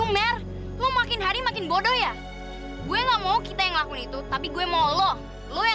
kenapa dia bisa bilang kalau lia tuh putrinya dia